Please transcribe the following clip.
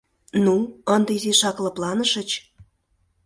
— Ну, ынде изишак лыпланышыч?